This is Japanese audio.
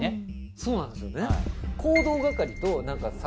そうなんですよね。